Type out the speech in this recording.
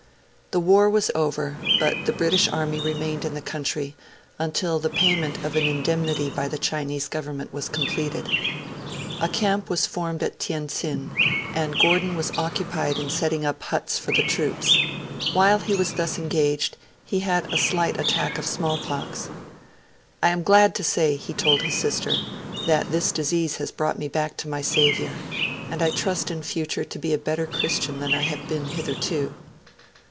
The war was over; but the British Army remained in the country, until the payment of an indemnity by the Chinese Government was completed. A camp was formed at Tientsin, and Gordon was occupied in setting up huts for the troops. While he was thus engaged, he had a slight attack of smallpox. 'I am glad to say,' he told his sister, 'that this disease has brought me back to my Saviour, and I trust in future to be a better Christian than I have been hitherto.'